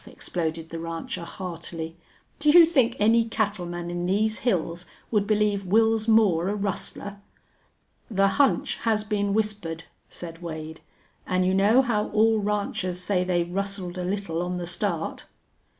exploded the rancher, heartily. "Do you think any cattleman in these hills would believe Wils Moore a rustler?" "The hunch has been whispered," said Wade. "An' you know how all ranchers say they rustled a little on the start."